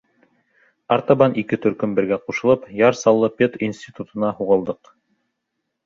Артабан ике төркөм бергә ҡушылып Яр Саллы пединститутына һуғылдыҡ.